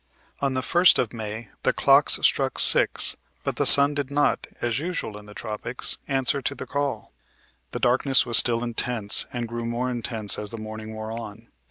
On the 1st of May the clocks struck six, but the sun did not, as usual in the tropics, answer to the call. The darkness was still intense, and grew more intense as the morning wore on.